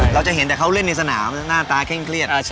เราจะเห็นแต่เขาเล่นในสนามหน้าตาเคร่งเครียด